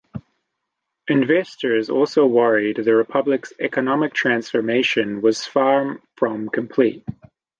Investors also worried the republic's economic transformation was far from complete.